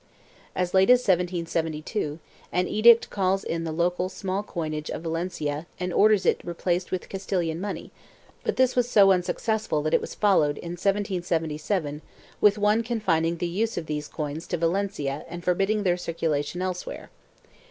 As late as 1772 an edict calls in the local small coinage of Valencia and orders it replaced with Castilian money, but this was so unsuccessful that it was folio wed, in 1777, with one confining the use of these coins to Valencia and forbidding their circulation elsewhere.